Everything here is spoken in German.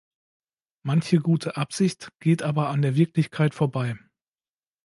Manche gute Absicht geht aber an der Wirklichkeit vorbei.